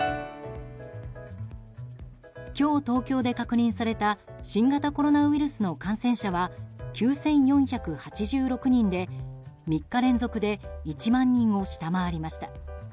今日、東京で確認された新型コロナウイルスの感染者は９４８６人で、３日連続で１万人を下回りました。